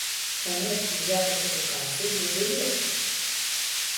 Канешне, якасць адукацыі будзе лепшай.